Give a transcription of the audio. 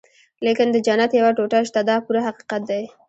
لیکن د جنت یوه ټوټه شته دا پوره حقیقت دی.